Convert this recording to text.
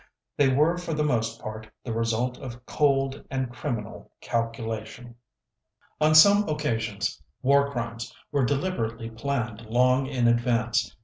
They were for the most part the result of cold and criminal calculation. On some occasions, War Crimes were deliberately planned long in advance.